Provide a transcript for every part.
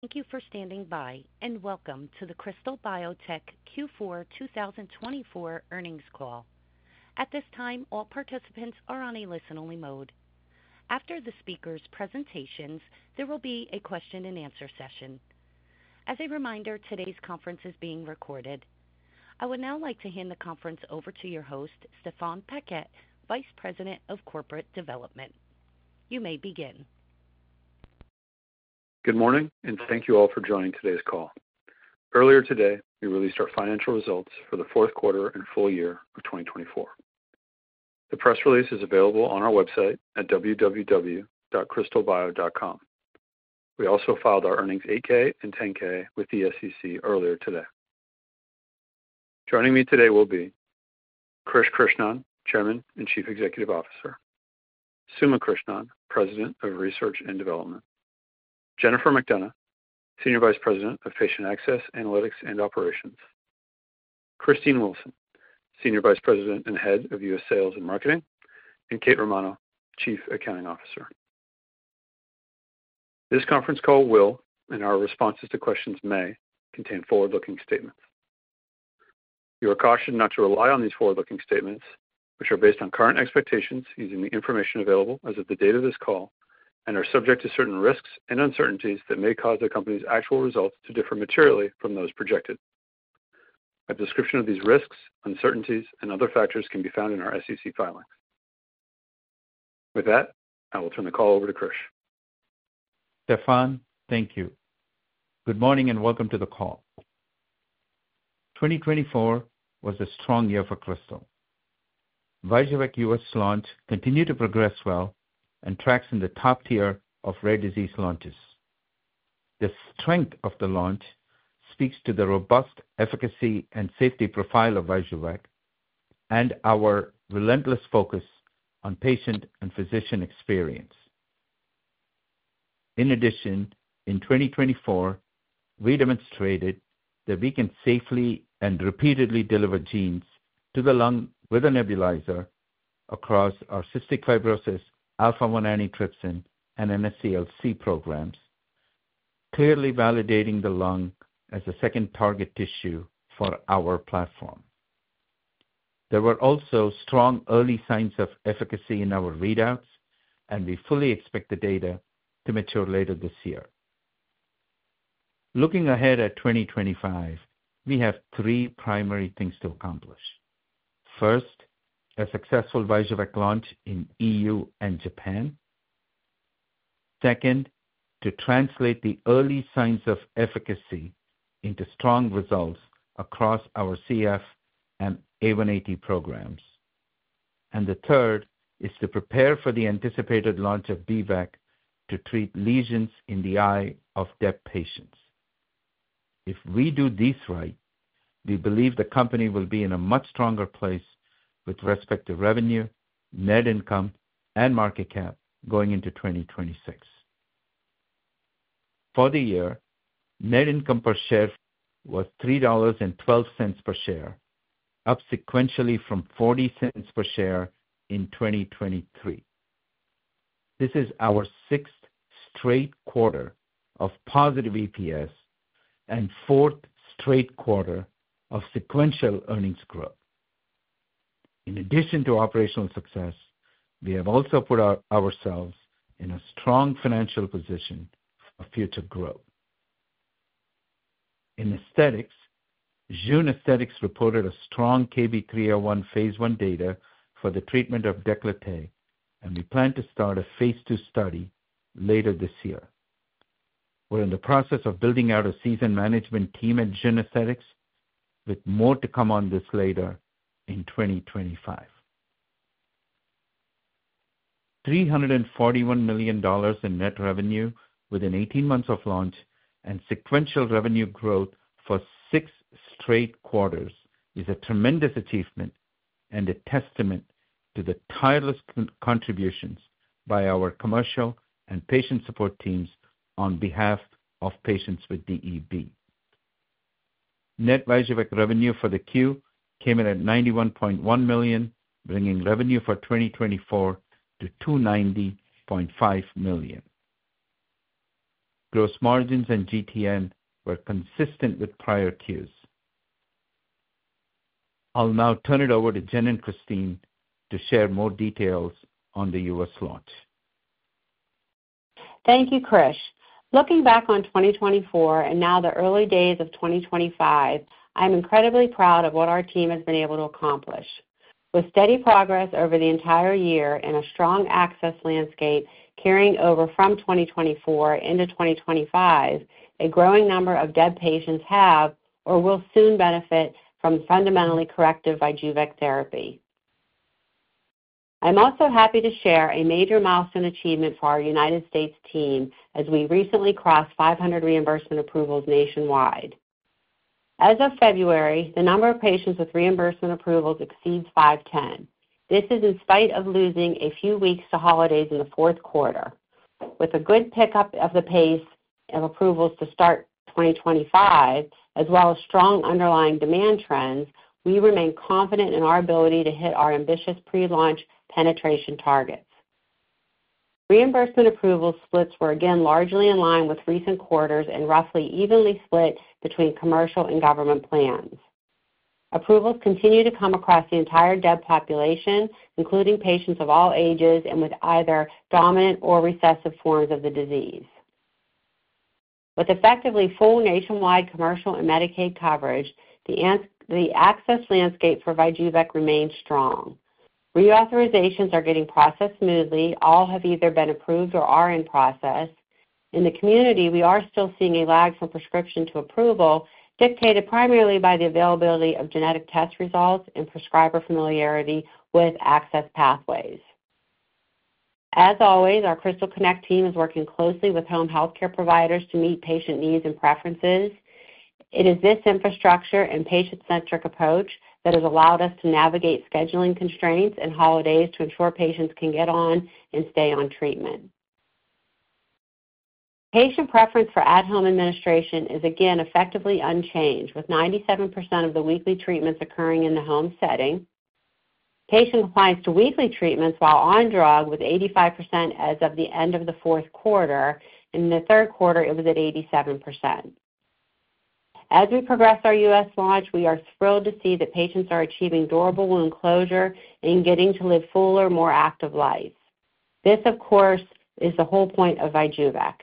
Thank you for standing by, and welcome to the Krystal Biotech Q4 2024 Earnings Call. At this time, all participants are on a listen-only mode. After the speakers' presentations, there will be a question-and-answer session. As a reminder, today's conference is being recorded. I would now like to hand the conference over to your host, Stéphane Paquette, Vice President of Corporate Development. You may begin. Good morning, and thank you all for joining today's call. Earlier today, we released our financial results for the fourth quarter and full year of 2024. The press release is available on our website at www.krystalbio.com. We also filed our earnings 8-K and 10-K with the SEC earlier today. Joining me today will be: Krish Krishnan, Chairman and Chief Executive Officer, Suma Krishnan, President of Research and Development, Jennifer McDonough, Senior Vice President of Patient Access, Analytics, and Operations, Christine Wilson, Senior Vice President and Head of U.S. Sales and Marketing, and Kate Romano, Chief Accounting Officer. This conference call will, in our responses to questions, may contain forward-looking statements. You are cautioned not to rely on these forward-looking statements, which are based on current expectations using the information available as of the date of this call and are subject to certain risks and uncertainties that may cause the company's actual results to differ materially from those projected. A description of these risks, uncertainties, and other factors can be found in our SEC filings. With that, I will turn the call over to Krish. Stéphane, thank you. Good morning and welcome to the call. 2024 was a strong year for Krystal. VYJUVEK's U.S. launch continued to progress well and tracks in the top tier of rare disease launches. The strength of the launch speaks to the robust efficacy and safety profile of VYJUVEK and our relentless focus on patient and physician experience. In addition, in 2024, we demonstrated that we can safely and repeatedly deliver genes to the lung with a nebulizer across our cystic fibrosis, alpha-1 antitrypsin, and NSCLC programs, clearly validating the lung as a second target tissue for our platform. There were also strong early signs of efficacy in our readouts, and we fully expect the data to mature later this year. Looking ahead at 2025, we have three primary things to accomplish. First, a successful VYJUVEK launch in the EU and Japan. Second, to translate the early signs of efficacy into strong results across our CF and AATD programs. The third is to prepare for the anticipated launch of B-VEC to treat lesions in the eye of DEB patients. If we do these right, we believe the company will be in a much stronger place with respect to revenue, net income, and market cap going into 2026. For the year, net income per share was $3.12 per share, up sequentially from $0.40 per share in 2023. This is our sixth straight quarter of positive EPS and fourth straight quarter of sequential earnings growth. In addition to operational success, we have also put ourselves in a strong financial position for future growth. In aesthetics, Jeune Aesthetics reported a strong KB301 phase I data for the treatment of décolletage, and we plan to start a phase II study later this year. We're in the process of building out a senior management team at Jeune Aesthetics, with more to come on this later in 2025. $341 million in net revenue within 18 months of launch and sequential revenue growth for six straight quarters is a tremendous achievement and a testament to the tireless contributions by our commercial and patient support teams on behalf of patients with DEB. Net VYJUVEK revenue for the Q came in at $91.1 million, bringing revenue for 2024 to $290.5 million. Gross margins and GTN were consistent with prior Qs. I'll now turn it over to Jen and Christine to share more details on the U.S. launch. Thank you, Krish. Looking back on 2024 and now the early days of 2025, I'm incredibly proud of what our team has been able to accomplish. With steady progress over the entire year and a strong access landscape carrying over from 2024 into 2025, a growing number of DEB patients have or will soon benefit from fundamentally corrective VYJUVEK therapy. I'm also happy to share a major milestone achievement for our United States team as we recently crossed 500 reimbursement approvals nationwide. As of February, the number of patients with reimbursement approvals exceeds 510. This is in spite of losing a few weeks to holidays in the fourth quarter. With a good pickup of the pace of approvals to start 2025, as well as strong underlying demand trends, we remain confident in our ability to hit our ambitious pre-launch penetration targets. Reimbursement approval splits were again largely in line with recent quarters and roughly evenly split between commercial and government plans. Approvals continue to come across the entire DEB population, including patients of all ages and with either dominant or recessive forms of the disease. With effectively full nationwide commercial and Medicaid coverage, the access landscape for VYJUVEK remains strong. Reauthorizations are getting processed smoothly. All have either been approved or are in process. In the community, we are still seeing a lag from prescription to approval dictated primarily by the availability of genetic test results and prescriber familiarity with access pathways. As always, our Krystal Connect team is working closely with home healthcare providers to meet patient needs and preferences. It is this infrastructure and patient-centric approach that has allowed us to navigate scheduling constraints and holidays to ensure patients can get on and stay on treatment. Patient preference for at-home administration is again effectively unchanged, with 97% of the weekly treatments occurring in the home setting. Patient compliance to weekly treatments while on drug was 85% as of the end of the fourth quarter. In the third quarter, it was at 87%. As we progress our U.S. launch, we are thrilled to see that patients are achieving durable wound closure and getting to live fuller, more active lives. This, of course, is the whole point of VYJUVEK.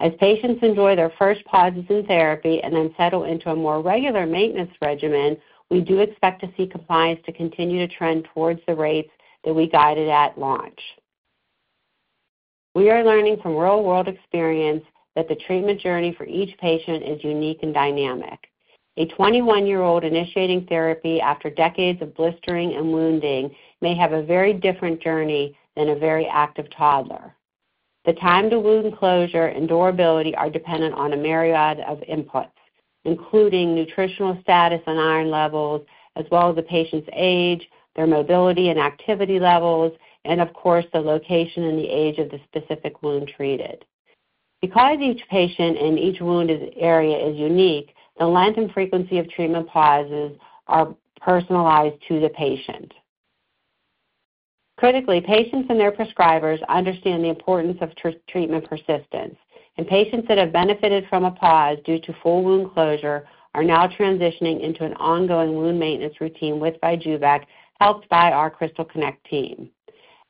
As patients enjoy their first pauses in therapy and then settle into a more regular maintenance regimen, we do expect to see compliance to continue to trend towards the rates that we guided at launch. We are learning from real-world experience that the treatment journey for each patient is unique and dynamic. A 21-year-old initiating therapy after decades of blistering and wounding may have a very different journey than a very active toddler. The time to wound closure and durability are dependent on a myriad of inputs, including nutritional status and iron levels, as well as the patient's age, their mobility and activity levels, and, of course, the location and the age of the specific wound treated. Because each patient and each wound area is unique, the length and frequency of treatment pauses are personalized to the patient. Critically, patients and their prescribers understand the importance of treatment persistence, and patients that have benefited from a pause due to full wound closure are now transitioning into an ongoing wound maintenance routine with VYJUVEK, helped by our Krystal Connect team.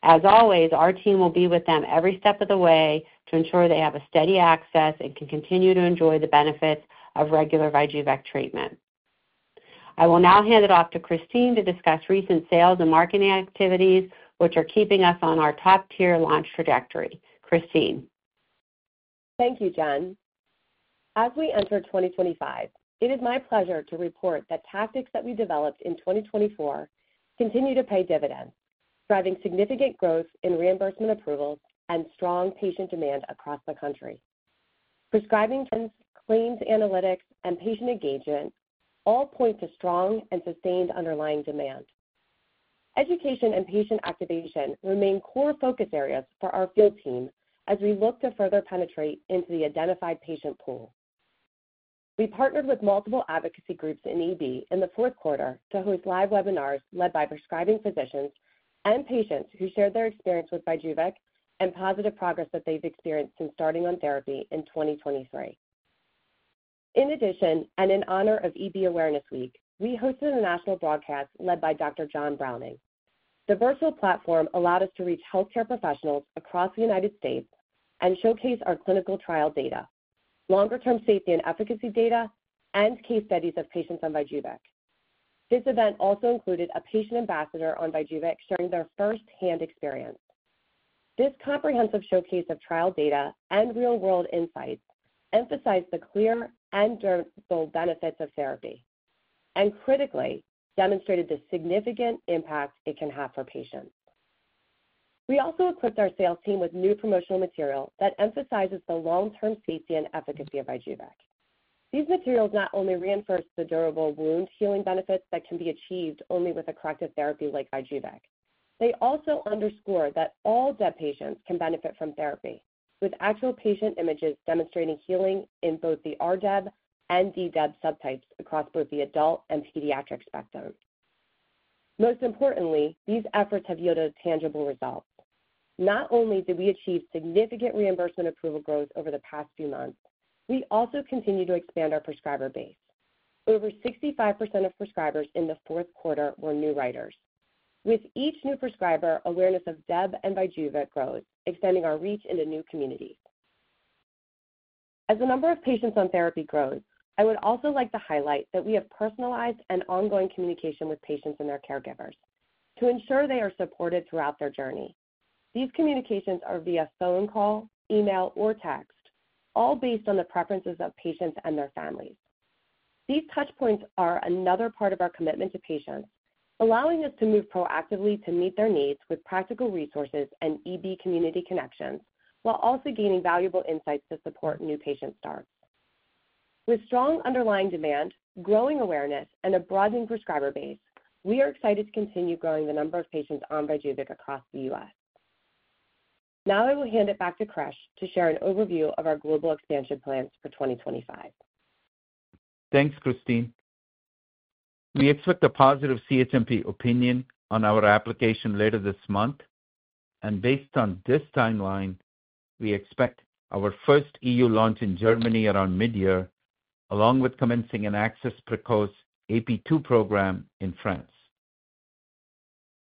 As always, our team will be with them every step of the way to ensure they have steady access and can continue to enjoy the benefits of regular VYJUVEK treatment. I will now hand it off to Christine to discuss recent sales and marketing activities, which are keeping us on our top-tier launch trajectory. Christine. Thank you, Jen. As we enter 2025, it is my pleasure to report that tactics that we developed in 2024 continue to pay dividends, driving significant growth in reimbursement approvals and strong patient demand across the country. Prescribing trends, claims analytics, and patient engagement all point to strong and sustained underlying demand. Education and patient activation remain core focus areas for our field team as we look to further penetrate into the identified patient pool. We partnered with multiple advocacy groups in EB in the fourth quarter to host live webinars led by prescribing physicians and patients who shared their experience with VYJUVEK and positive progress that they've experienced since starting on therapy in 2023. In addition, and in honor of EB Awareness Week, we hosted a national broadcast led by Dr. John Browning. The virtual platform allowed us to reach healthcare professionals across the United States and showcase our clinical trial data, longer-term safety and efficacy data, and case studies of patients on VYJUVEK. This event also included a patient ambassador on VYJUVEK sharing their firsthand experience. This comprehensive showcase of trial data and real-world insights emphasized the clear and durable benefits of therapy and, critically, demonstrated the significant impact it can have for patients. We also equipped our sales team with new promotional material that emphasizes the long-term safety and efficacy of VYJUVEK. These materials not only reinforce the durable wound healing benefits that can be achieved only with a corrective therapy like VYJUVEK, they also underscore that all DEB patients can benefit from therapy, with actual patient images demonstrating healing in both the RDEB and DDEB subtypes across both the adult and pediatric spectrum. Most importantly, these efforts have yielded tangible results. Not only did we achieve significant reimbursement approval growth over the past few months, we also continue to expand our prescriber base. Over 65% of prescribers in the fourth quarter were new writers. With each new prescriber, awareness of VYJUVEK grows, extending our reach into new communities. As the number of patients on therapy grows, I would also like to highlight that we have personalized and ongoing communication with patients and their caregivers to ensure they are supported throughout their journey. These communications are via phone call, email, or text, all based on the preferences of patients and their families. These touchpoints are another part of our commitment to patients, allowing us to move proactively to meet their needs with practical resources and EB community connections, while also gaining valuable insights to support new patient starts. With strong underlying demand, growing awareness, and a broadening prescriber base, we are excited to continue growing the number of patients on VYJUVEK across the U.S. Now I will hand it back to Krish to share an overview of our global expansion plans for 2025. Thanks, Christine. We expect a positive CHMP opinion on our application later this month, and based on this timeline, we expect our first EU launch in Germany around mid-year, along with commencing an Accès Précoce AP2 program in France.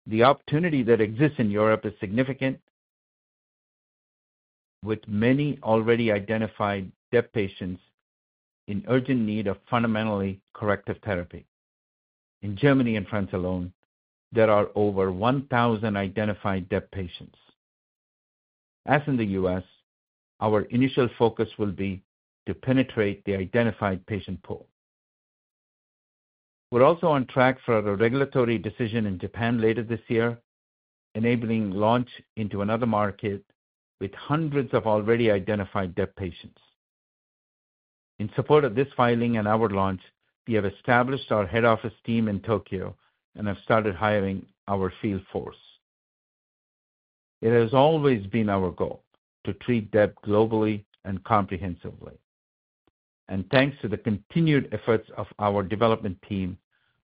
The opportunity that exists in Europe is significant, with many already identified DEB patients in urgent need of fundamentally corrective therapy. In Germany and France alone, there are over 1,000 identified DEB patients. As in the U.S., our initial focus will be to penetrate the identified patient pool. We're also on track for a regulatory decision in Japan later this year, enabling launch into another market with hundreds of already identified DEB patients. In support of this filing and our launch, we have established our head office team in Tokyo and have started hiring our field force. It has always been our goal to treat DEB globally and comprehensively. Thanks to the continued efforts of our development team,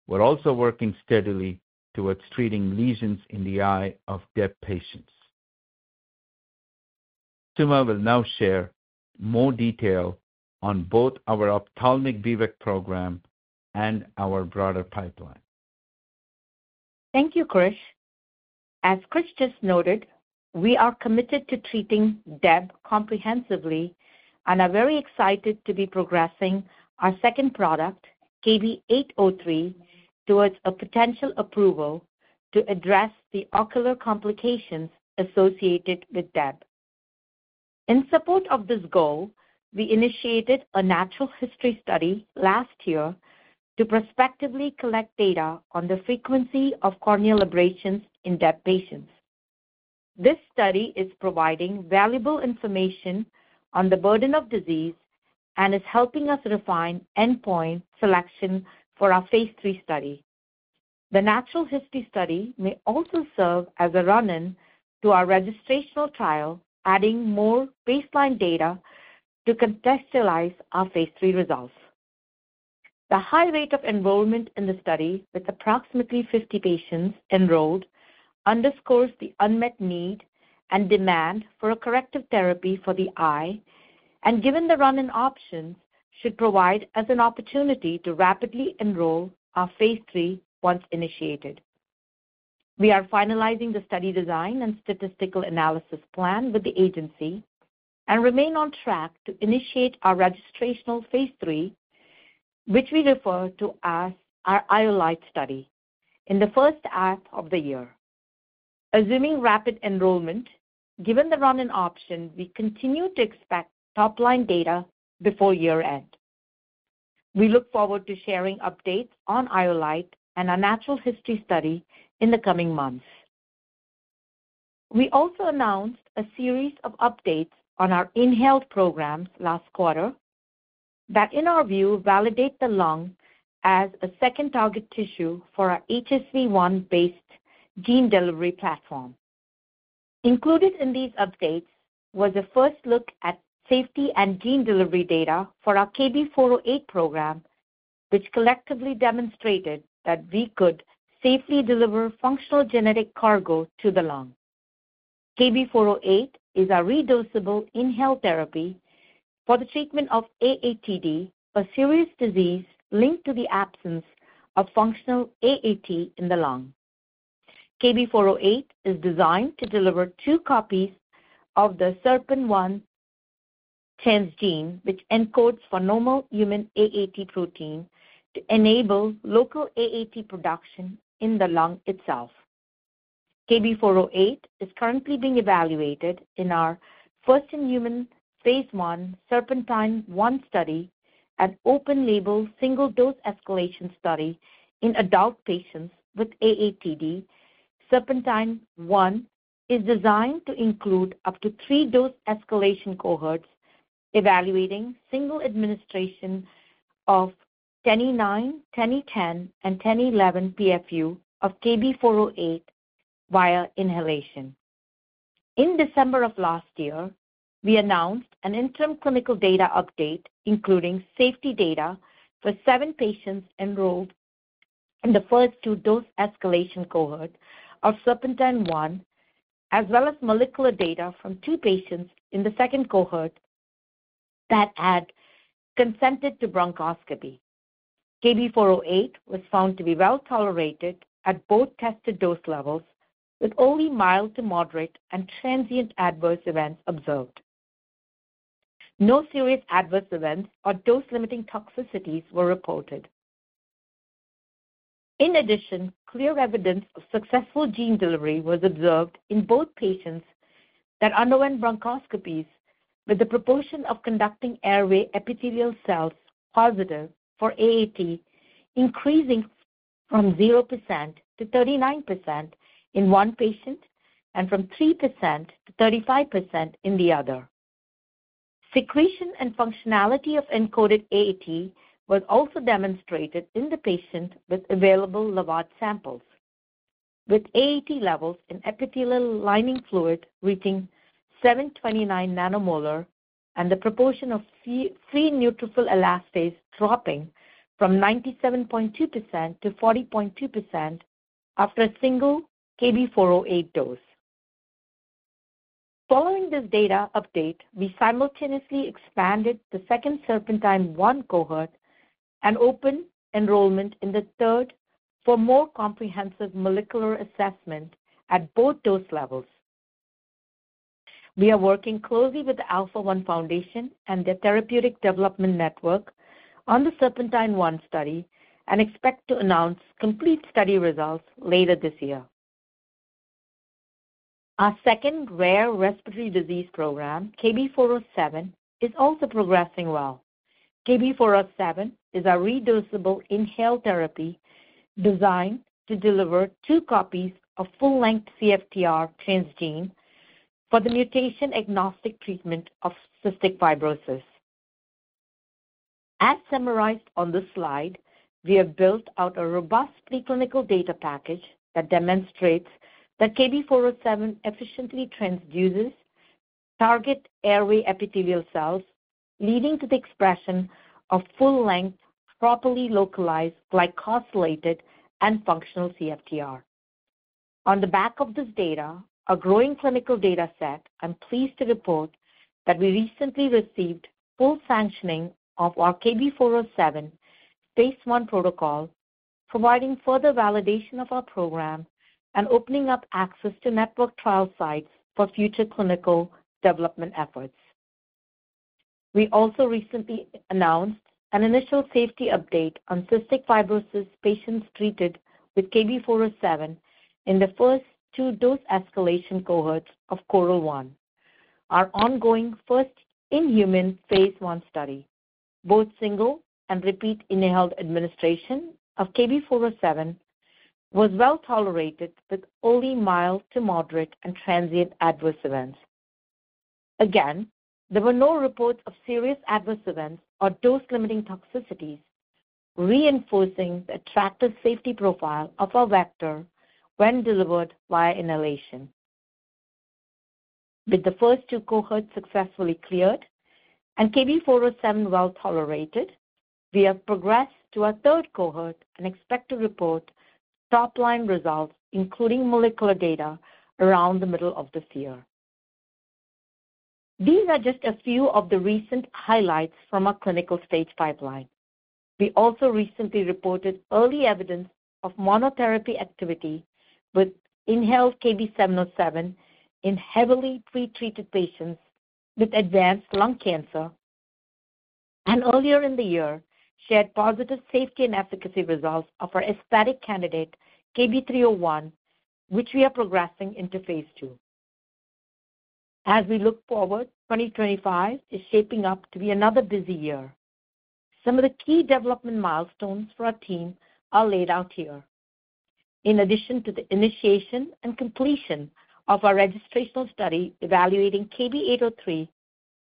we're also working steadily towards treating lesions in the eye of DEB patients. Suma will now share more detail on both our ophthalmic B-VEC program and our broader pipeline. Thank you, Krish. As Krish just noted, we are committed to treating DEB comprehensively and are very excited to be progressing our second product, KB803, towards a potential approval to address the ocular complications associated with DEB. In support of this goal, we initiated a natural history study last year to prospectively collect data on the frequency of corneal abrasions in DEB patients. This study is providing valuable information on the burden of disease and is helping us refine endpoint selection for our phase III study. The natural history study may also serve as a run-in to our registrational trial, adding more baseline data to contextualize our phase III results. The high rate of enrollment in the study, with approximately 50 patients enrolled, underscores the unmet need and demand for a corrective therapy for the eye, and given the run-in options, should provide us an opportunity to rapidly enroll our phase III once initiated. We are finalizing the study design and statistical analysis plan with the agency and remain on track to initiate our registrational phase III, which we refer to as our IOLITE study, in the first half of the year. Assuming rapid enrollment, given the run-in option, we continue to expect top-line data before year-end. We look forward to sharing updates on IOLITE and our natural history study in the coming months. We also announced a series of updates on our inhaled programs last quarter that, in our view, validate the lung as a second target tissue for our HSV-1-based gene delivery platform. Included in these updates was a first look at safety and gene delivery data for our KB408 program, which collectively demonstrated that we could safely deliver functional genetic cargo to the lung. KB408 is a re-dosable inhaled therapy for the treatment of AATD, a serious disease linked to the absence of functional AAT in the lung. KB408 is designed to deliver two copies of the SERPINA1 transgene, which encodes for normal human AAT protein, to enable local AAT production in the lung itself. KB408 is currently being evaluated in our first-in-human phase I SERPENTINE-1 study, an open-label single-dose escalation study in adult patients with AATD. SERPENTINE-1 is designed to include up to three dose escalation cohorts evaluating single administration of 10E9, 10E10, and 10E11 PFU of KB408 via inhalation. In December of last year, we announced an interim clinical data update, including safety data for seven patients enrolled in the first two dose escalation cohorts of SERPENTINE-1, as well as molecular data from two patients in the second cohort that had consented to bronchoscopy. KB408 was found to be well tolerated at both tested dose levels, with only mild to moderate and transient adverse events observed. No serious adverse events or dose-limiting toxicities were reported. In addition, clear evidence of successful gene delivery was observed in both patients that underwent bronchoscopies, with the proportion of conducting airway epithelial cells positive for AAT increasing from 0% to 39% in one patient and from 3% to 35% in the other. Secretion and functionality of encoded AAT was also demonstrated in the patient with available lavage samples, with AAT levels in epithelial lining fluid reaching 729 nanomolar and the proportion of free neutrophil elastase dropping from 97.2% to 40.2% after a single KB408 dose. Following this data update, we simultaneously expanded the second SERPENTINE-1 cohort and opened enrollment in the third for more comprehensive molecular assessment at both dose levels. We are working closely with the Alpha-1 Foundation and the Therapeutic Development Network on the SERPENTINE-1 study and expect to announce complete study results later this year. Our second rare respiratory disease program, KB407, is also progressing well. KB407 is a re-dosable inhaled therapy designed to deliver two copies of full-length CFTR transgene for the mutation-agnostic treatment of cystic fibrosis. As summarized on this slide, we have built out a robust preclinical data package that demonstrates that KB407 efficiently transduces target airway epithelial cells, leading to the expression of full-length, properly localized, glycosylated, and functional CFTR. On the back of this data, a growing clinical data set, I'm pleased to report that we recently received full sanctioning of our KB407 phase I protocol, providing further validation of our program and opening up access to network trial sites for future clinical development efforts. We also recently announced an initial safety update on cystic fibrosis patients treated with KB407 in the first two dose escalation cohorts of CORAL-1, our ongoing first in-human phase I study. Both single and repeat inhaled administration of KB407 was well tolerated with only mild to moderate and transient adverse events. Again, there were no reports of serious adverse events or dose-limiting toxicities, reinforcing the attractive safety profile of our vector when delivered via inhalation. With the first two cohorts successfully cleared and KB407 well tolerated, we have progressed to our third cohort and expect to report top-line results, including molecular data, around the middle of this year. These are just a few of the recent highlights from our clinical stage pipeline. We also recently reported early evidence of monotherapy activity with inhaled KB707 in heavily pretreated patients with advanced lung cancer, and earlier in the year, shared positive safety and efficacy results of our aesthetic candidate, KB301, which we are progressing into phase II. As we look forward, 2025 is shaping up to be another busy year. Some of the key development milestones for our team are laid out here. In addition to the initiation and completion of our registrational study evaluating KB803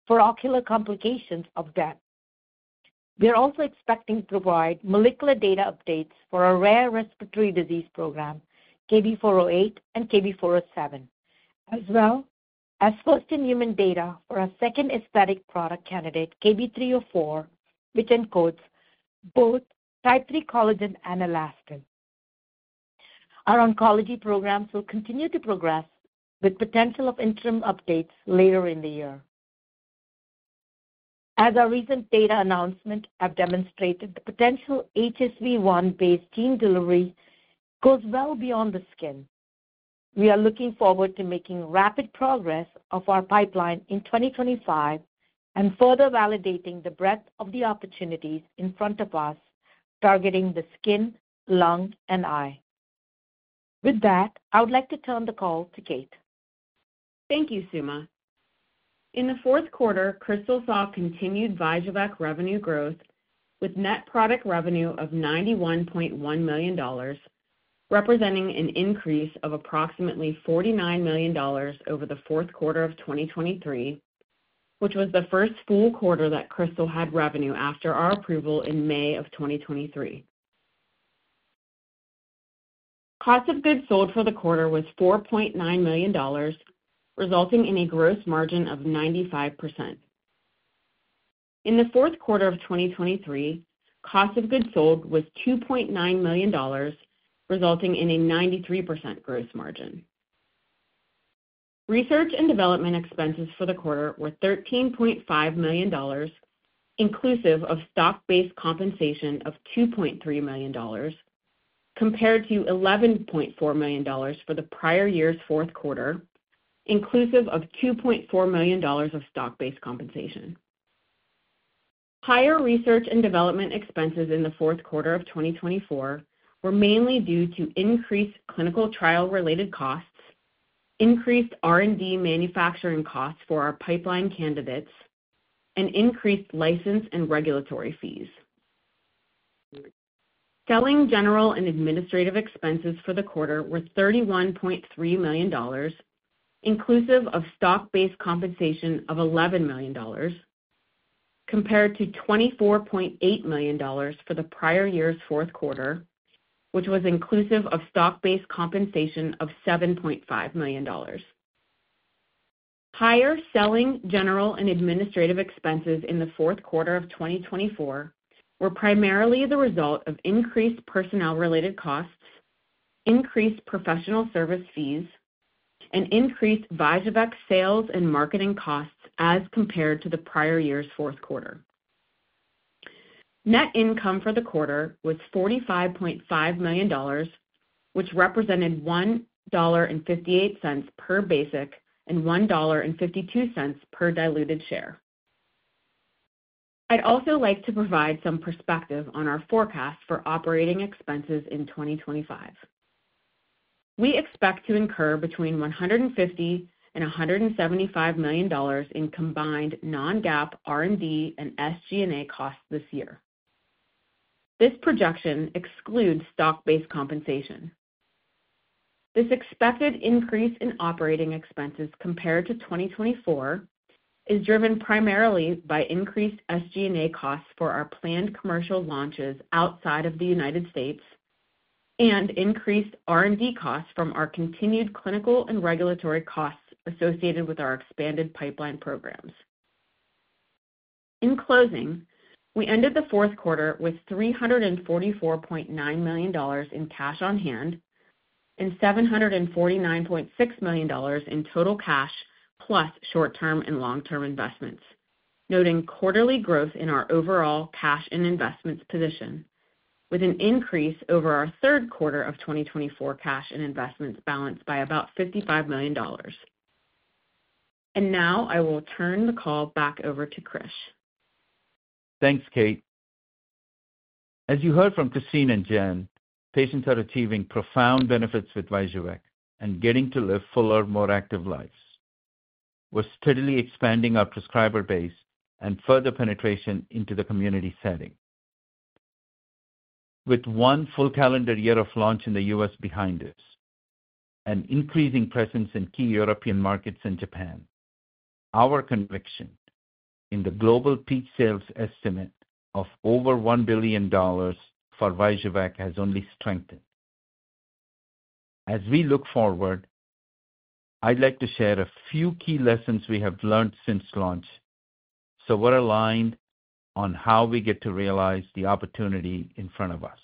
for ocular complications of DEB, we are also expecting to provide molecular data updates for our rare respiratory disease program, KB408 and KB407, as well as first-in-human data for our second aesthetic product candidate, KB304, which encodes both type III collagen and elastin. Our oncology programs will continue to progress, with potential of interim updates later in the year. As our recent data announcements have demonstrated, the potential HSV-1-based gene delivery goes well beyond the skin. We are looking forward to making rapid progress of our pipeline in 2025 and further validating the breadth of the opportunities in front of us targeting the skin, lung, and eye. With that, I would like to turn the call to Kate. Thank you, Suma. In the fourth quarter, Krystal saw continued VYJUVEK revenue growth, with net product revenue of $91.1 million, representing an increase of approximately $49 million over the fourth quarter of 2023, which was the first full quarter that Krystal had revenue after our approval in May of 2023. Cost of goods sold for the quarter was $4.9 million, resulting in a gross margin of 95%. In the fourth quarter of 2023, cost of goods sold was $2.9 million, resulting in a 93% gross margin. Research and development expenses for the quarter were $13.5 million, inclusive of stock-based compensation of $2.3 million, compared to $11.4 million for the prior year's fourth quarter, inclusive of $2.4 million of stock-based compensation. Higher research and development expenses in the fourth quarter of 2024 were mainly due to increased clinical trial-related costs, increased R&D manufacturing costs for our pipeline candidates, and increased license and regulatory fees. Selling general and administrative expenses for the quarter were $31.3 million, inclusive of stock-based compensation of $11 million, compared to $24.8 million for the prior year's fourth quarter, which was inclusive of stock-based compensation of $7.5 million. Higher selling general and administrative expenses in the fourth quarter of 2024 were primarily the result of increased personnel-related costs, increased professional service fees, and increased VYJUVEK sales and marketing costs as compared to the prior year's fourth quarter. Net income for the quarter was $45.5 million, which represented $1.58 per basic and $1.52 per diluted share. I'd also like to provide some perspective on our forecast for operating expenses in 2025. We expect to incur between $150 and $175 million in combined non-GAAP R&D and SG&A costs this year. This projection excludes stock-based compensation. This expected increase in operating expenses compared to 2024 is driven primarily by increased SG&A costs for our planned commercial launches outside of the United States and increased R&D costs from our continued clinical and regulatory costs associated with our expanded pipeline programs. In closing, we ended the fourth quarter with $344.9 million in cash on hand and $749.6 million in total cash plus short-term and long-term investments, noting quarterly growth in our overall cash and investments position, with an increase over our third quarter of 2024 cash and investments balanced by about $55 million, and now I will turn the call back over to Krish. Thanks, Kate. As you heard from Christine and Jen, patients are achieving profound benefits with VYJUVEK and getting to live fuller, more active lives. We're steadily expanding our prescriber base and further penetration into the community setting. With one full calendar year of launch in the U.S. behind us and increasing presence in key European markets and Japan, our conviction in the global peak sales estimate of over $1 billion for VYJUVEK has only strengthened. As we look forward, I'd like to share a few key lessons we have learned since launch so we're aligned on how we get to realize the opportunity in front of us.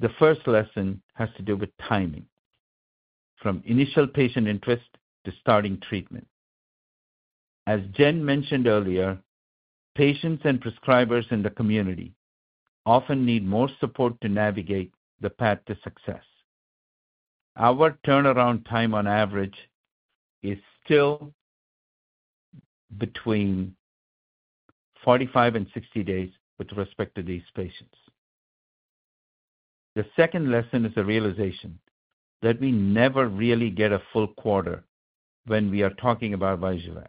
The first lesson has to do with timing, from initial patient interest to starting treatment. As Jen mentioned earlier, patients and prescribers in the community often need more support to navigate the path to success. Our turnaround time on average is still between 45 and 60 days with respect to these patients. The second lesson is a realization that we never really get a full quarter when we are talking about VYJUVEK.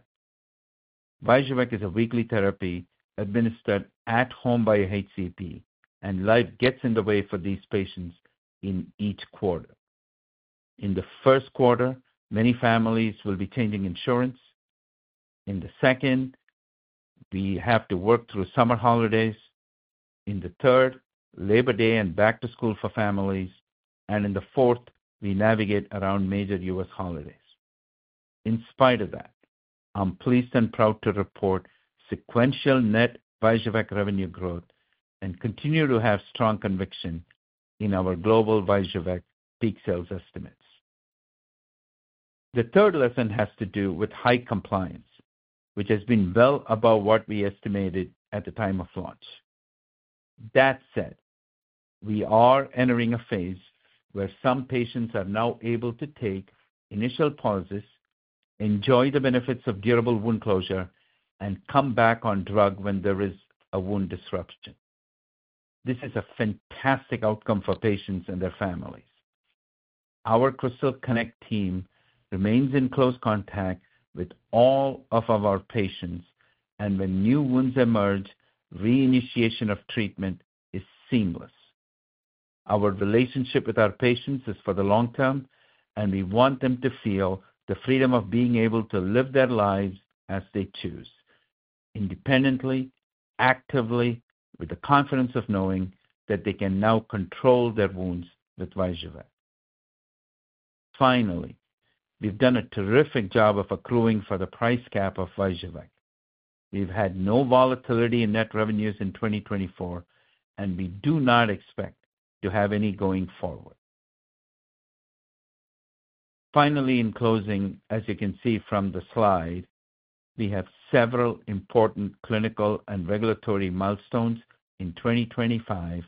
VYJUVEK is a weekly therapy administered at home by a HCP, and life gets in the way for these patients in each quarter. In the first quarter, many families will be changing insurance. In the second, we have to work through summer holidays. In the third, Labor Day and back to school for families, and in the fourth, we navigate around major U.S. holidays. In spite of that, I'm pleased and proud to report sequential net VYJUVEK revenue growth and continue to have strong conviction in our global VYJUVEK peak sales estimates. The third lesson has to do with high compliance, which has been well above what we estimated at the time of launch. That said, we are entering a phase where some patients are now able to take initial pauses, enjoy the benefits of durable wound closure, and come back on drug when there is a wound disruption. This is a fantastic outcome for patients and their families. Our Krystal Connect team remains in close contact with all of our patients, and when new wounds emerge, reinitiation of treatment is seamless. Our relationship with our patients is for the long term, and we want them to feel the freedom of being able to live their lives as they choose, independently, actively, with the confidence of knowing that they can now control their wounds with VYJUVEK. Finally, we've done a terrific job of accruing for the price cap of VYJUVEK. We've had no volatility in net revenues in 2024, and we do not expect to have any going forward. Finally, in closing, as you can see from the slide, we have several important clinical and regulatory milestones in 2025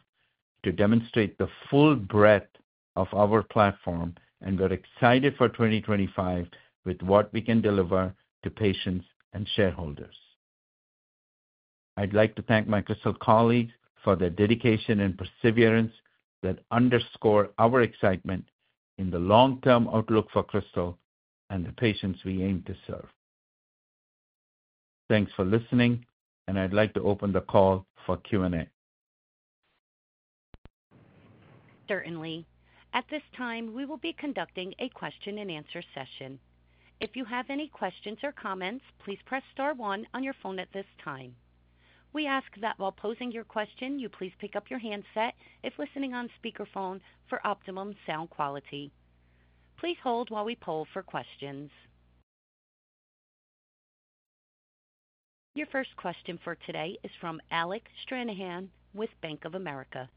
to demonstrate the full breadth of our platform, and we're excited for 2025 with what we can deliver to patients and shareholders. I'd like to thank my Krystal colleagues for their dedication and perseverance that underscore our excitement in the long-term outlook for Krystal and the patients we aim to serve. Thanks for listening, and I'd like to open the call for Q&A. Certainly. At this time, we will be conducting a question-and-answer session. If you have any questions or comments, please press star one on your phone at this time. We ask that while posing your question, you please pick up your handset if listening on speakerphone for optimum sound quality. Please hold while we poll for questions. Your first question for today is from Alec Stranahan with Bank of America.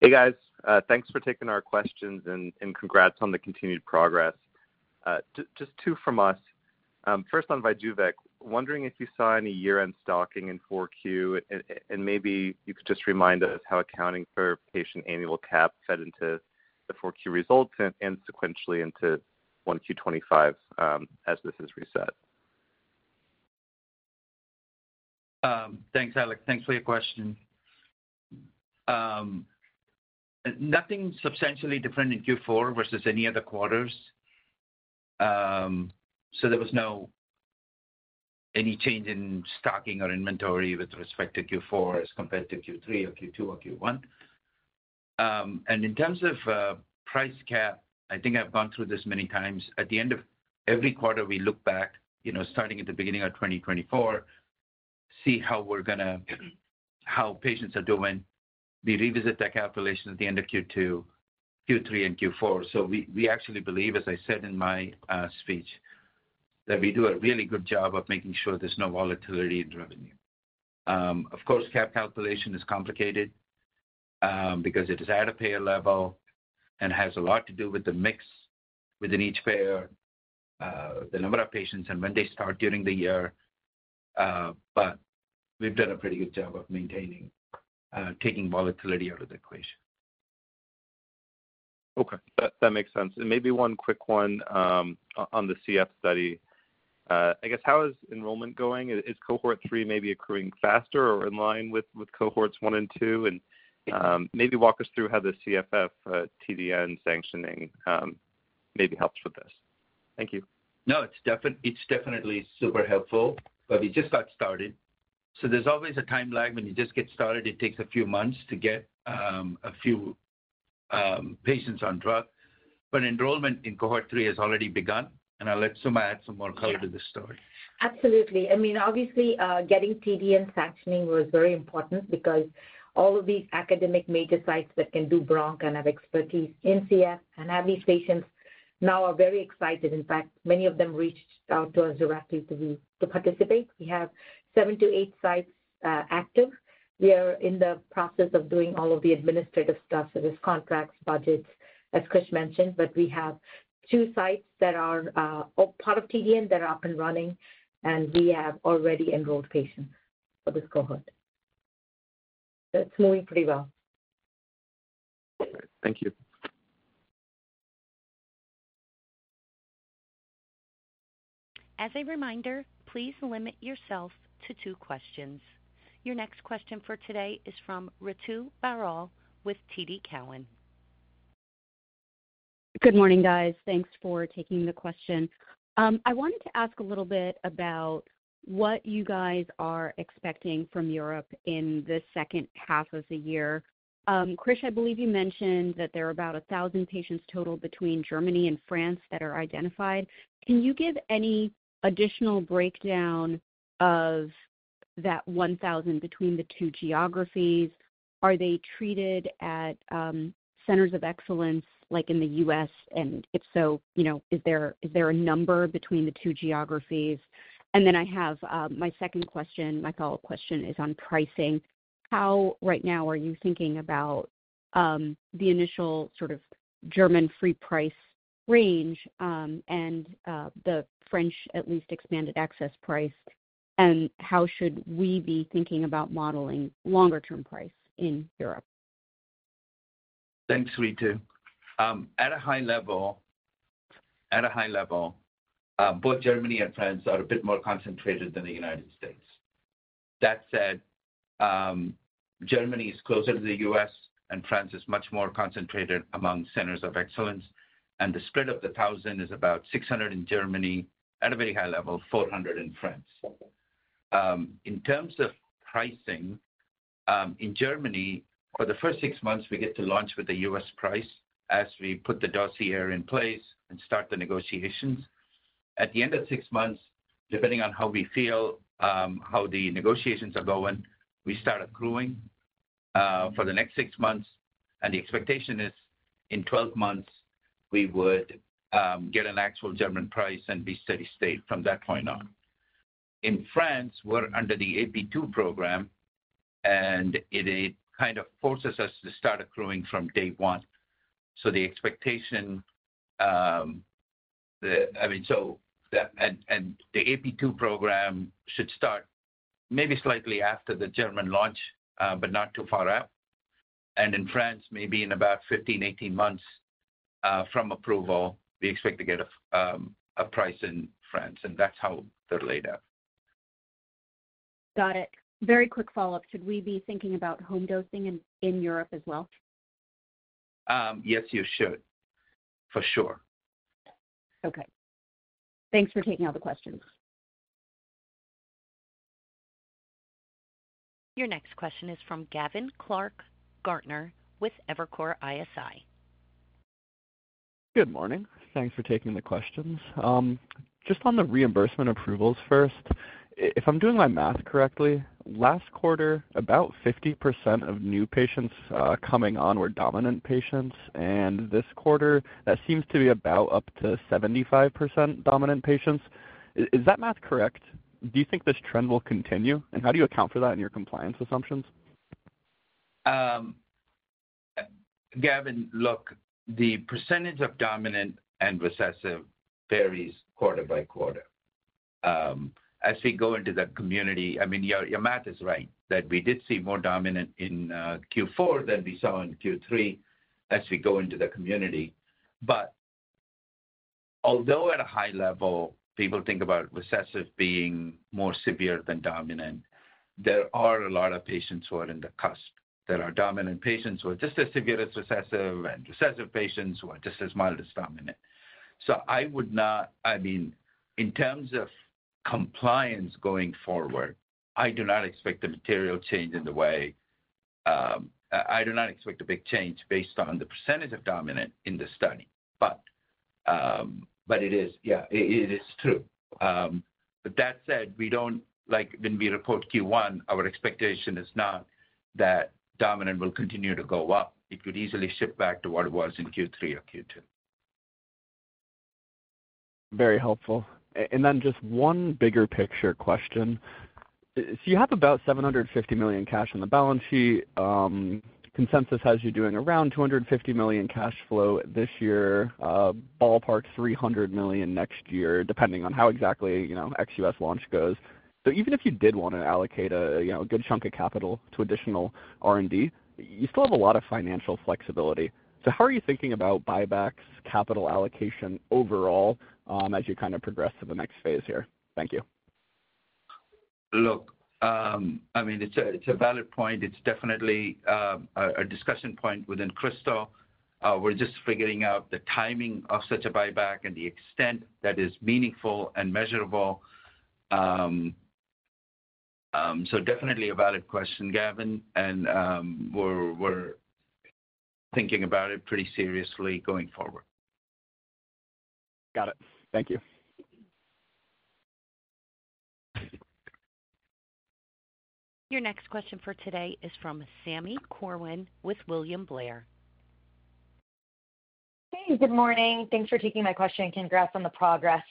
Hey, guys. Thanks for taking our questions and congrats on the continued progress. Just two from us. First on VYJUVEK, wondering if you saw any year-end stocking in 4Q, and maybe you could just remind us how accounting for patient annual cap fed into the 4Q results and sequentially into 1Q 2025 as this is reset. Thanks, Alec. Thanks for your question. Nothing substantially different in Q4 versus any other quarters. So there was no any change in stocking or inventory with respect to Q4 as compared to Q3 or Q2 or Q1. And in terms of price cap, I think I've gone through this many times. At the end of every quarter, we look back, starting at the beginning of 2024, see how we're going to how patients are doing. We revisit that calculation at the end of Q2, Q3, and Q4. So we actually believe, as I said in my speech, that we do a really good job of making sure there's no volatility in revenue. Of course, cap calculation is complicated because it is at a payer level and has a lot to do with the mix within each payer, the number of patients, and when they start during the year. But we've done a pretty good job of maintaining, taking volatility out of the equation. Okay. That makes sense. And maybe one quick one on the CF study. I guess, how is enrollment going? Is cohort three maybe accruing faster or in line with cohorts one and two? And maybe walk us through how the CFF TDN sanctioning maybe helps with this. Thank you. No, it's definitely super helpful, but we just got started, so there's always a time lag when you just get started. It takes a few months to get a few patients on drug, but enrollment in cohort three has already begun, and I'll let Suma add some more color to the story. Absolutely. I mean, obviously, getting TDN sanctioning was very important because all of these academic major sites that can do bronch and have expertise in CF and have these patients now are very excited. In fact, many of them reached out to us directly to participate. We have seven to eight sites active. We are in the process of doing all of the administrative stuff, such as contracts, budgets, as Krish mentioned. But we have two sites that are part of TDN that are up and running, and we have already enrolled patients for this cohort. So it's moving pretty well. Thank you. As a reminder, please limit yourself to two questions. Your next question for today is from Ritu Baral with TD Cowen. Good morning, guys. Thanks for taking the question. I wanted to ask a little bit about what you guys are expecting from Europe in the second half of the year. Krish, I believe you mentioned that there are about 1,000 patients total between Germany and France that are identified. Can you give any additional breakdown of that 1,000 between the two geographies? Are they treated at centers of excellence like in the U.S.? And if so, is there a number between the two geographies? And then I have my second question, my follow-up question is on pricing. How right now are you thinking about the initial sort of German free price range and the French, at least, expanded access price? And how should we be thinking about modeling longer-term price in Europe? Thanks, Ritu. At a high level, both Germany and France are a bit more concentrated than the United States. That said, Germany is closer to the U.S., and France is much more concentrated among centers of excellence, and the spread of the 1,000 is about 600 in Germany. At a very high level, 400 in France. In terms of pricing, in Germany, for the first six months, we get to launch with the U.S. price as we put the dossier in place and start the negotiations. At the end of six months, depending on how we feel, how the negotiations are going, we start accruing for the next six months, and the expectation is in 12 months, we would get an actual German price and be steady-state from that point on. In France, we're under the AP2 program, and it kind of forces us to start accruing from day one. So the expectation, I mean, so the AP2 program should start maybe slightly after the German launch, but not too far out. And in France, maybe in about 15-18 months from approval, we expect to get a price in France. And that's how they're laid out. Got it. Very quick follow-up. Should we be thinking about home dosing in Europe as well? Yes, you should, for sure. Okay. Thanks for taking all the questions. Your next question is from Gavin Clark-Gartner with Evercore ISI. Good morning. Thanks for taking the questions. Just on the reimbursement approvals first, if I'm doing my math correctly, last quarter, about 50% of new patients coming on were dominant patients, and this quarter, that seems to be about up to 75% dominant patients. Is that math correct? Do you think this trend will continue, and how do you account for that in your compliance assumptions? Gavin, look, the percentage of dominant and recessive varies quarter by quarter. As we go into the community, I mean, your math is right that we did see more dominant in Q4 than we saw in Q3 as we go into the community. But although at a high level, people think about recessive being more severe than dominant, there are a lot of patients who are on the cusp. There are dominant patients who are just as severe as recessive and recessive patients who are just as mild as dominant. So I would not, I mean, in terms of compliance going forward, I do not expect the material change in the way I do not expect a big change based on the percentage of dominant in the study. But it is, yeah, it is true. But that said, when we report Q1, our expectation is not that dominant will continue to go up. It could easily shift back to what it was in Q3 or Q2. Very helpful, and then just one bigger picture question. So you have about $750 million cash on the balance sheet. Consensus has you doing around $250 million cash flow this year, ballpark $300 million next year, depending on how exactly ex-US launch goes. But even if you did want to allocate a good chunk of capital to additional R&D, you still have a lot of financial flexibility. So how are you thinking about buybacks, capital allocation overall as you kind of progress to the next phase here? Thank you. Look, I mean, it's a valid point. It's definitely a discussion point within Krystal. We're just figuring out the timing of such a buyback and the extent that is meaningful and measurable. So definitely a valid question, Gavin. And we're thinking about it pretty seriously going forward. Got it. Thank you. Your next question for today is from Sami Corwin with William Blair. Hey, good morning. Thanks for taking my question. Congrats on the progress.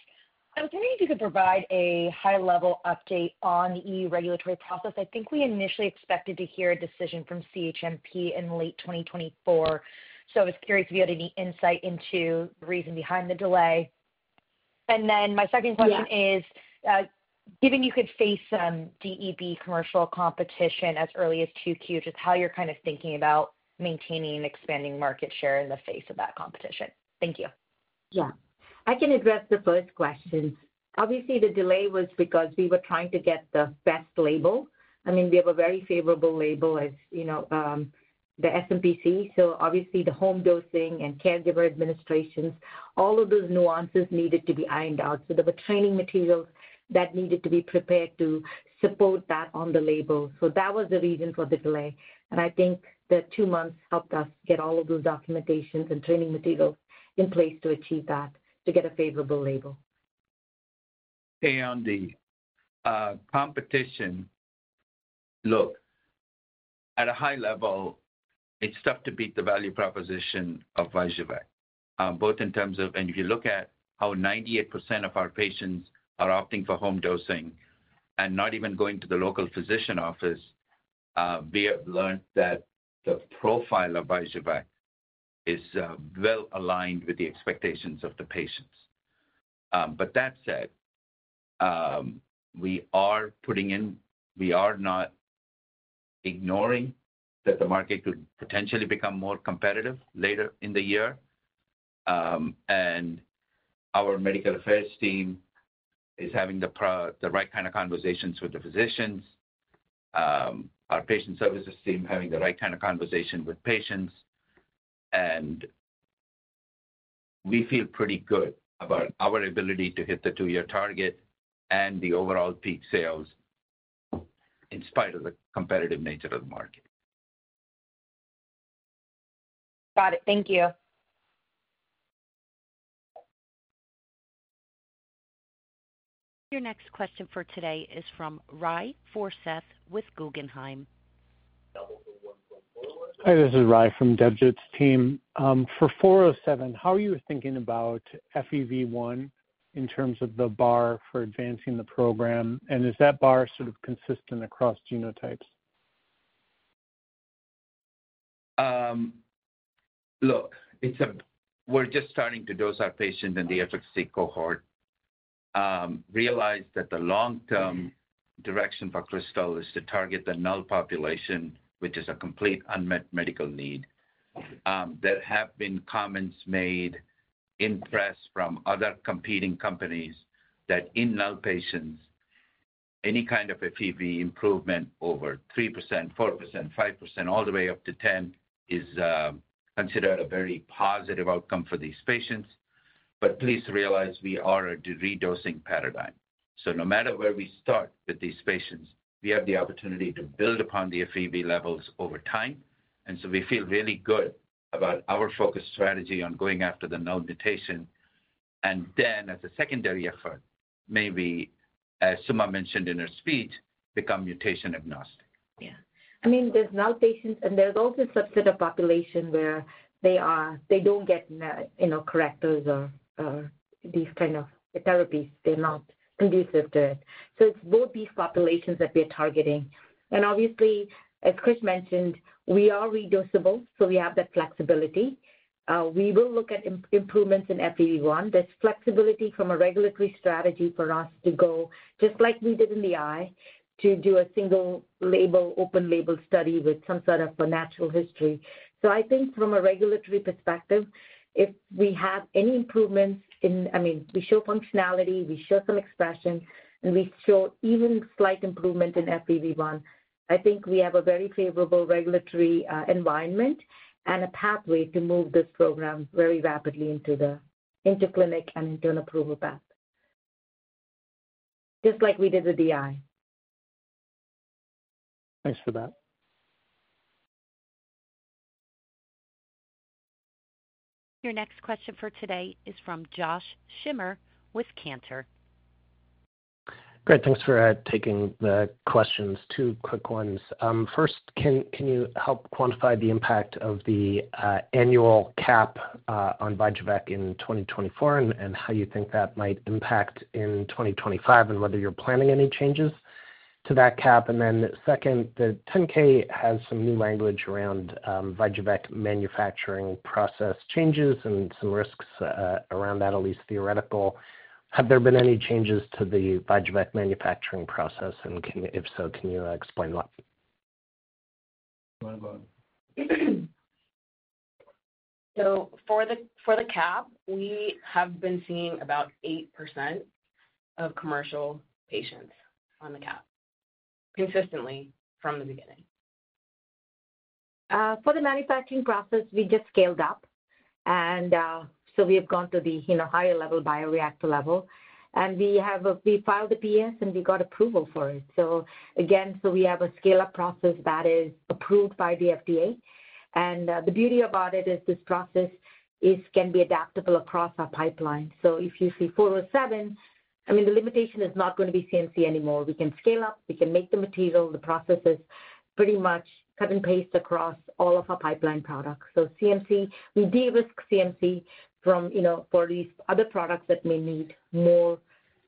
I was wondering if you could provide a high-level update on the EU regulatory process. I think we initially expected to hear a decision from CHMP in late 2024. So I was curious if you had any insight into the reason behind the delay. And then my second question is, given you could face some DEB commercial competition as early as 2Q, just how you're kind of thinking about maintaining and expanding market share in the face of that competition? Thank you. Yeah. I can address the first question. Obviously, the delay was because we were trying to get the best label. I mean, we have a very favorable label as the SmPC. So obviously, the home dosing and caregiver administrations, all of those nuances needed to be ironed out. So there were training materials that needed to be prepared to support that on the label. So that was the reason for the delay. And I think the two months helped us get all of those documentations and training materials in place to achieve that, to get a favorable label. [On DEB]. Competition. Look, at a high level, it's tough to beat the value proposition of VYJUVEK, both in terms of, and if you look at how 98% of our patients are opting for home dosing and not even going to the local physician office, we have learned that the profile of VYJUVEK is well aligned with the expectations of the patients. But that said, we are putting in, we are not ignoring that the market could potentially become more competitive later in the year. And our medical affairs team is having the right kind of conversations with the physicians. Our patient services team is having the right kind of conversation with patients. And we feel pretty good about our ability to hit the two-year target and the overall peak sales in spite of the competitive nature of the market. Got it. Thank you. Your next question for today is from Ry Forseth with Guggenheim. Hi, this is Ry from Debjit's team. For 407, how are you thinking about FEV1 in terms of the bar for advancing the program? And is that bar sort of consistent across genotypes? Look, we're just starting to dose our patient in the efficacy cohort. Realize that the long-term direction for Krystal is to target the null population, which is a complete unmet medical need. There have been comments made in press from other competing companies that in null patients, any kind of FEV1 improvement over 3%, 4%, 5%, all the way up to 10% is considered a very positive outcome for these patients. But please realize we are a redosing paradigm. So no matter where we start with these patients, we have the opportunity to build upon the FEV1 levels over time. And so we feel really good about our focus strategy on going after the null mutation. And then, as a secondary effort, maybe, as Suma mentioned in her speech, become mutation agnostic. Yeah. I mean, there's null patients, and there's also a subset of population where they don't get correctors or these kind of therapies. They're not conducive to it, so it's both these populations that we are targeting. And obviously, as Krish mentioned, we are reducible, so we have that flexibility. We will look at improvements in FEV1. There's flexibility from a regulatory strategy for us to go, just like we did in the eye, to do a single-label, open-label study with some sort of natural history. I think from a regulatory perspective, if we have any improvements in, I mean, we show functionality, we show some expression, and we show even slight improvement in FEV1, we have a very favorable regulatory environment and a pathway to move this program very rapidly into the clinic and into an approval path, just like we did with the eye. Thanks for that. Your next question for today is from Josh Schimmer with Cantor. Great. Thanks for taking the questions. Two quick ones. First, can you help quantify the impact of the annual cap on VYJUVEK in 2024 and how you think that might impact in 2025 and whether you're planning any changes to that cap? And then second, the 10-K has some new language around VYJUVEK manufacturing process changes and some risks around that, at least theoretical. Have there been any changes to the VYJUVEK manufacturing process? And if so, can you explain what? So for the cap, we have been seeing about 8% of commercial patients on the cap consistently from the beginning. For the manufacturing process, we just scaled up, and so we have gone to the higher-level bioreactor level. We filed a PS, and we got approval for it. Again, we have a scale-up process that is approved by the FDA. The beauty about it is this process can be adaptable across our pipeline. If you see 407, I mean, the limitation is not going to be CMC anymore. We can scale up. We can make the material. The process is pretty much cut and paste across all of our pipeline products. CMC, we de-risk CMC for these other products that may need more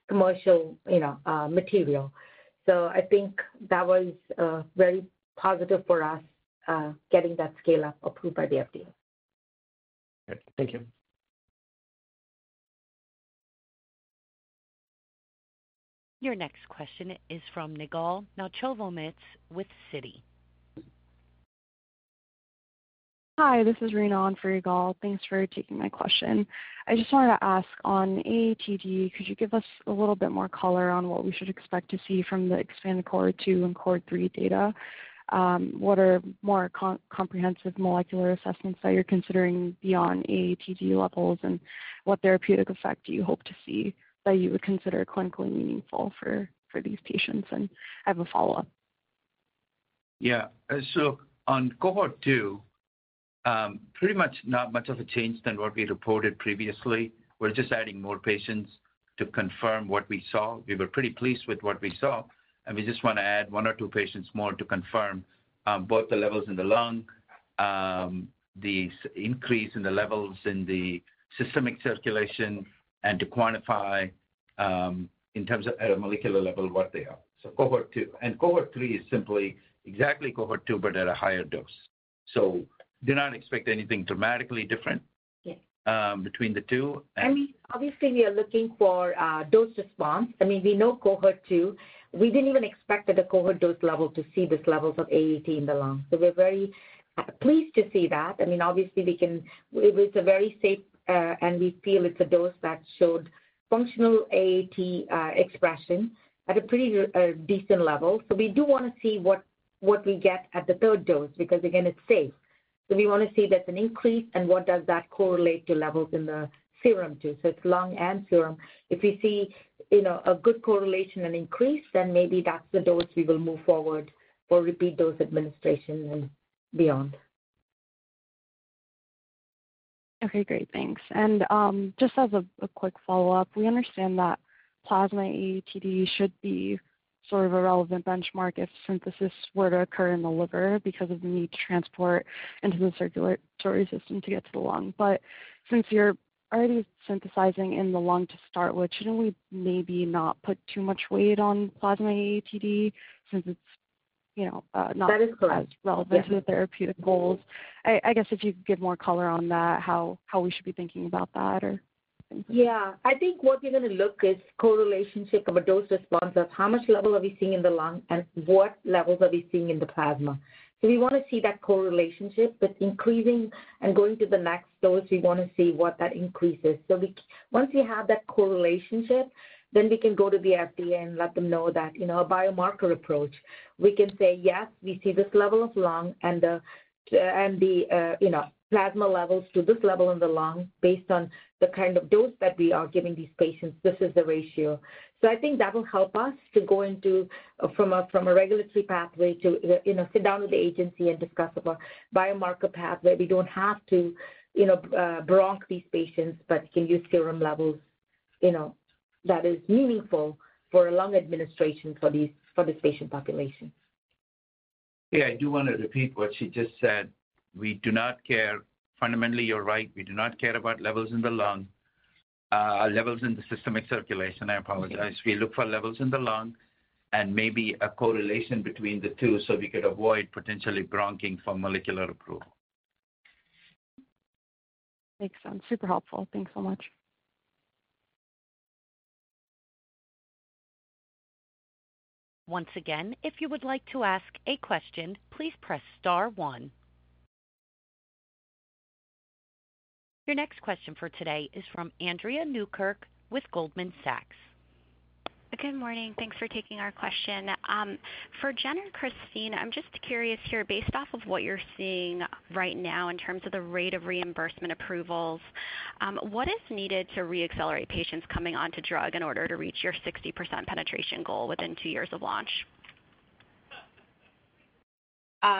commercial material. I think that was very positive for us getting that scale-up approved by the FDA. Great. Thank you. Your next question is from Yigal Nochomovitz with Citi. Hi, this is Rena on for Yigal. Thanks for taking my question. I just wanted to ask, on AATD, could you give us a little bit more color on what we should expect to see from the expanded cohort 2 and cohort 3 data? What are more comprehensive molecular assessments that you're considering beyond AATD levels? And what therapeutic effect do you hope to see that you would consider clinically meaningful for these patients? And I have a follow-up. Yeah. So on cohort 2, pretty much not much of a change than what we reported previously. We're just adding more patients to confirm what we saw. We were pretty pleased with what we saw. And we just want to add one or two patients more to confirm both the levels in the lung, the increase in the levels in the systemic circulation, and to quantify in terms of at a molecular level what they are. So cohort 2. And cohort 3 is simply exactly cohort 2, but at a higher dose. So do not expect anything dramatically different between the two. I mean, obviously, we are looking for dose response. I mean, we know cohort 2. We didn't even expect at the cohort dose level to see these levels of AAT in the lung. So we're very pleased to see that. I mean, obviously, it's a very safe, and we feel it's a dose that showed functional AAT expression at a pretty decent level. So we do want to see what we get at the third dose because, again, it's safe. So we want to see there's an increase, and what does that correlate to levels in the serum too? So it's lung and serum. If we see a good correlation and increase, then maybe that's the dose we will move forward for repeat dose administration and beyond. Okay. Great. Thanks. And just as a quick follow-up, we understand that plasma AATD should be sort of a relevant benchmark if synthesis were to occur in the liver because of the need to transport into the circulatory system to get to the lung. But since you're already synthesizing in the lung to start with, shouldn't we maybe not put too much weight on plasma AATD since it's not? That is correct. As relevant to the therapeutic goals? I guess if you could give more color on that, how we should be thinking about that or things like that. Yeah. I think what we're going to look is correlation of a dose response of how much level are we seeing in the lung and what levels are we seeing in the plasma. So we want to see that correlation. But increasing and going to the next dose, we want to see what that increases. So once we have that correlation, then we can go to the FDA and let them know that a biomarker approach, we can say, "Yes, we see this level of lung and the plasma levels to this level in the lung based on the kind of dose that we are giving these patients. This is the ratio." So I think that will help us to go into from a regulatory pathway to sit down with the agency and discuss a biomarker pathway. We don't have to bronch these patients, but can use serum levels that is meaningful for a lung administration for this patient population. Yeah. I do want to repeat what she just said. We do not care. Fundamentally, you're right. We do not care about levels in the lung, levels in the systemic circulation. I apologize. We look for levels in the lung and maybe a correlation between the two so we could avoid potentially bronching for molecular approval. Makes sense. Super helpful. Thanks so much. Once again, if you would like to ask a question, please press star one. Your next question for today is from Andrea Newkirk with Goldman Sachs. Good morning. Thanks for taking our question. For Jen and Christine, I'm just curious here, based off of what you're seeing right now in terms of the rate of reimbursement approvals, what is needed to re-accelerate patients coming onto drug in order to reach your 60% penetration goal within two years of launch?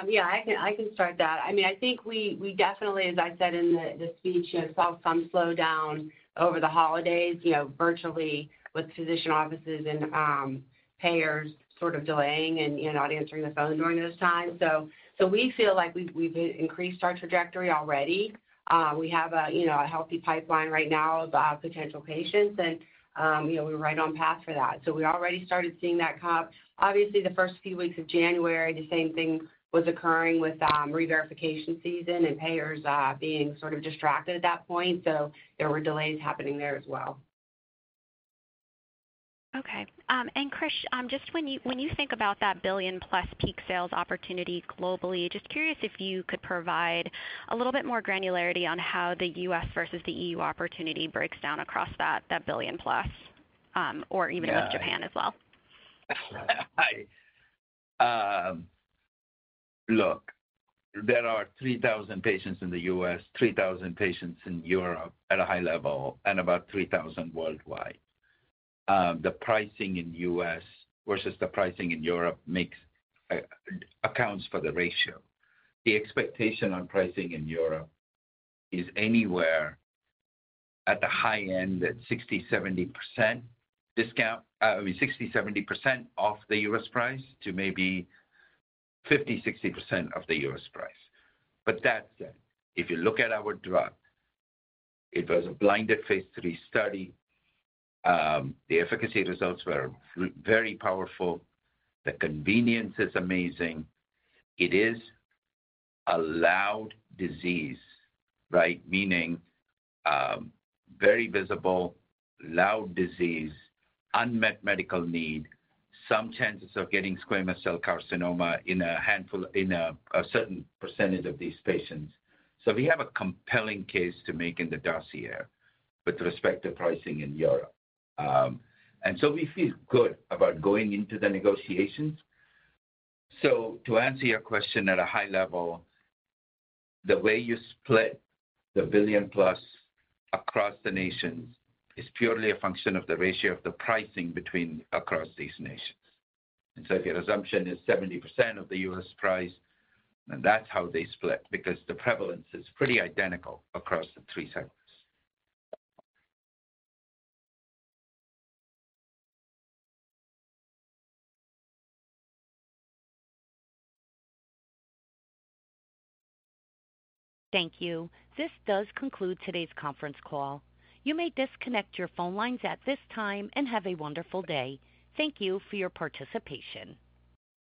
Yeah. I can start that. I mean, I think we definitely, as I said in the speech, saw some slowdown over the holidays virtually with physician offices and payers sort of delaying and not answering the phone during those times. So we feel like we've increased our trajectory already. We have a healthy pipeline right now of potential patients. And we were right on path for that. So we already started seeing that come up. Obviously, the first few weeks of January, the same thing was occurring with re-verification season and payers being sort of distracted at that point. So there were delays happening there as well. Okay. And Krish, just when you think about that billion-plus peak sales opportunity globally, just curious if you could provide a little bit more granularity on how the U.S. versus the E.U. opportunity breaks down across that billion-plus or even with Japan as well? Look, there are 3,000 patients in the U.S., 3,000 patients in Europe at a high level, and about 3,000 worldwide. The pricing in the U.S. versus the pricing in Europe accounts for the ratio. The expectation on pricing in Europe is anywhere at the high end at 60-70% discount, I mean, 60-70% off the U.S. price to maybe 50-60% of the U.S. price. But that said, if you look at our drug, it was a blinded phase III study. The efficacy results were very powerful. The convenience is amazing. It is a loud disease, right? Meaning very visible, loud disease, unmet medical need, some chances of getting squamous cell carcinoma in a certain percentage of these patients. So we have a compelling case to make in the dossier with respect to pricing in Europe. And so we feel good about going into the negotiations. So to answer your question at a high level, the way you split the billion-plus across the nations is purely a function of the ratio of the pricing across these nations. And so if your assumption is 70% of the U.S. price, then that's how they split because the prevalence is pretty identical across the three segments. Thank you. This does conclude today's conference call. You may disconnect your phone lines at this time and have a wonderful day. Thank you for your participation.